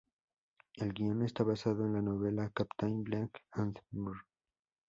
El guion está basado en la novela "Captain Bligh and Mr.